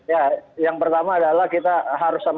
ya yang pertama adalah kita harus sama sama